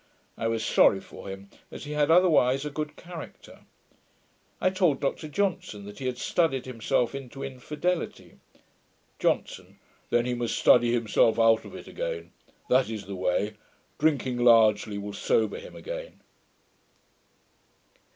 I was sorry for him, as he had otherwise a good character. I told Dr Johnson that he had studied himself into infidelity. JOHNSON. 'Then he must study himself out of it again. That is the way. Drinking largely will sober him again.'